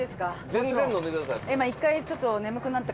全然飲んでください。